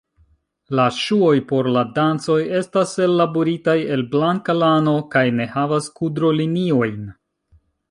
La ŝuoj por la dancoj estas ellaboritaj el blanka lano kaj ne havas kudroliniojn.